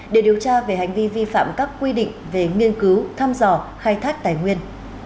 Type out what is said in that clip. để điều tra về hành vi vi phạm các quy định về nghiên cứu thăm dò khai thác tài nguyên